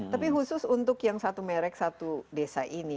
tapi khusus untuk yang satu merek satu desa ini